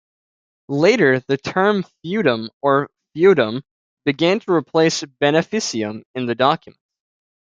Later, the term "feudum", or "feodum", began to replace "beneficium" in the documents.